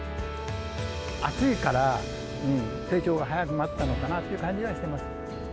暑いから、成長が早まったのかなっていう感じがしてます。